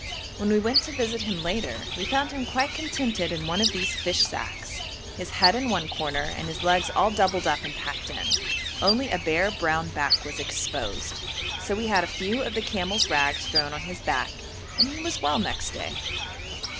When we went to visit him later we found him quite contented in one of these fish sacks, his head in one corner and his legs all doubled up and packed in; only a bare brown back was exposed, so we had a few of the camel's rags thrown on his back, and he was well next day.